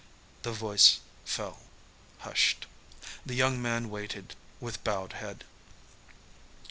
The voice fell hushed. The young man waited, with bowed head.